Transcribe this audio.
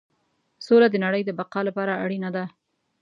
سوله د نړۍ د بقا لپاره اړینه ده.